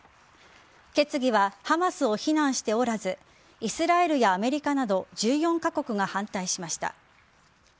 決議はハマスを非難しておらずイスラエルやアメリカなど１４カ国が反対しました。